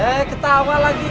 hei ketawa lagi